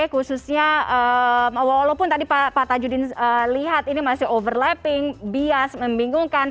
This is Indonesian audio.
khususnya walaupun tadi pak tajudin lihat ini masih overlapping bias membingungkan